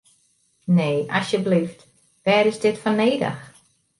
Nee, asjeblyft, wêr is dit foar nedich?